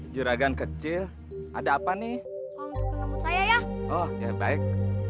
juragan kecil ada apa nih untuk ramut saya ya oh ya baik